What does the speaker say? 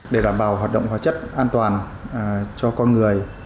để đảm bảo hoạt động hóa chất an toàn cho con người